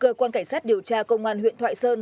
cơ quan cảnh sát điều tra công an huyện thoại sơn